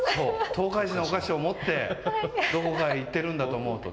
東海市のお菓子を持ってどこかへ行ってるんだと思うとね。